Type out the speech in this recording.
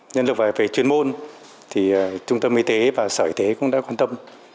nhân lực về chuyên môn thì trung tâm y tế và sở y tế cũng đã quan tâm